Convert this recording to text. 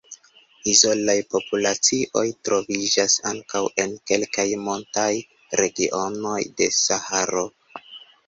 Izolaj populacioj troviĝas ankaŭ en kelkaj montaj regionoj de Saharo.